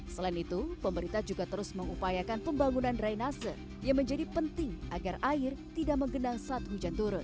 selain itu pemerintah juga terus mengupayakan pembangunan drainase yang menjadi penting agar air tidak menggenang saat hujan turun